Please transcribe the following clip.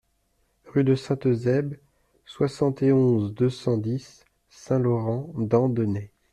Rue de Saint-Eusèbe, soixante et onze, deux cent dix Saint-Laurent-d'Andenay